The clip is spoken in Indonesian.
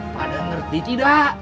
pada ngerti tidak